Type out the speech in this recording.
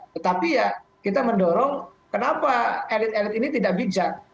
tetapi ya kita mendorong kenapa elit elit ini tidak bijak